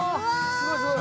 すごいすごい。